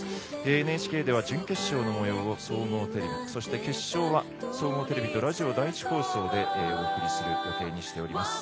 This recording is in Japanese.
ＮＨＫでは準決勝のもようを総合テレビ、そして決勝は総合テレビとラジオ第１放送でお送りする予定にしております。